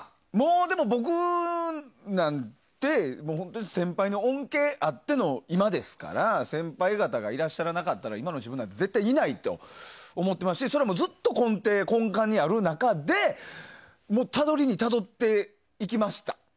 僕なんて先輩の恩恵あっての今ですから先輩方がいらっしゃらなかったら今の自分なんて絶対いないと思ってますしそれもずっと根幹にある中でたどりにたどっていきました。